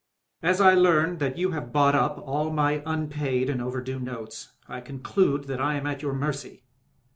As I learn that you have bought up all my un paid and overdue notes, I conclude that I am at your mercy.